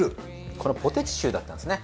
このポテチ臭だったんですね。